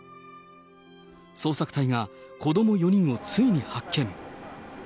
捜索隊が子ども４人をついに発見。